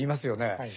はい。